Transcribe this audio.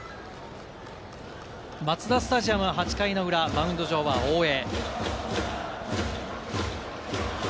マツダスタジアム８回の裏、マウンド上は大江。